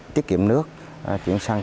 tiết kiệm nước chuyển sang